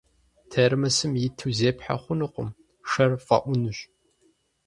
Термосым иту зепхьэ хъунукъым, шэр фӏэӏунущ.